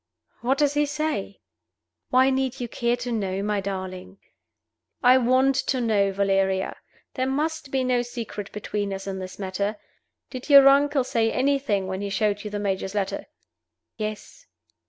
"What does he say?" "Why need you care to know, my darling?" "I want to know, Valeria. There must be no secret between us in this matter. Did your uncle say anything when he showed you the major's letter?" "Yes."